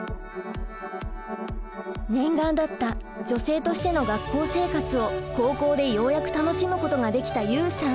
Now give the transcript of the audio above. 念願だった女性としての学校生活を高校でようやく楽しむことができたユウさん！